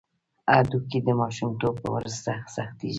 هډوکي د ماشومتوب وروسته سختېږي.